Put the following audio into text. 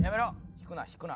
「引くな引くな」